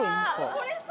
これさ。